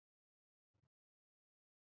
华东葡萄是葡萄科葡萄属的植物。